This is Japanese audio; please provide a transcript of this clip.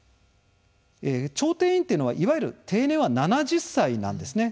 調停委員というのはいわゆる定年は７０歳なんですね。